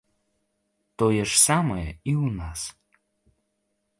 Тое ж самае і ў нас.